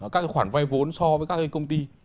các khoản vai vốn so với các công ty